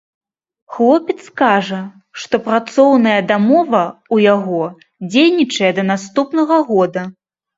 Хлопец кажа, што працоўная дамова ў яго дзейнічае да наступнага года.